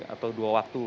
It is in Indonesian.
atau dua waktu